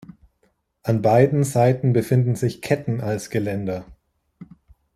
An beiden Seiten befinden sich Ketten als Geländer.